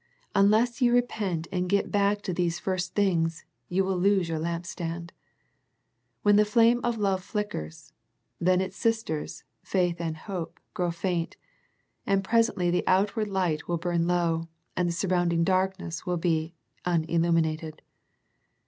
Unless you repent and get back to these first things, you will lose your lampstand. When the flame of love flickers, then its sisters, faith and hope grow faint, and presently the outward light will burn low, and the surrounding darkness be unil luminated.